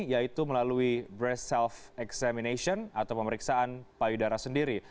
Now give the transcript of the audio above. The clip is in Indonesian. yaitu melalui brace self examination atau pemeriksaan payudara sendiri